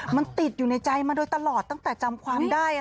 มันติดอยู่ในใจมาโดยตลอดตั้งแต่จำความได้